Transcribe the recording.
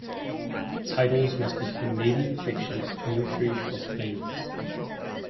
Titles must be Canadian fiction, poetry or plays.